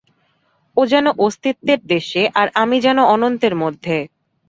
ও যেন অস্তিত্বের দেশে আর আমি যেন অনন্তের মধ্যে।